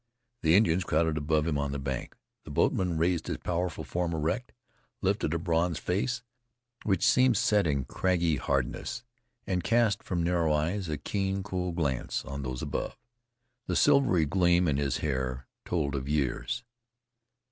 The Indians crowded above him on the bank. The boatman raised his powerful form erect, lifted a bronzed face which seemed set in craggy hardness, and cast from narrow eyes a keen, cool glance on those above. The silvery gleam in his fair hair told of years.